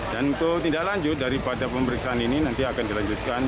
dan untuk tindak lanjut daripada pemeriksaan ini nanti akan dilanjutkan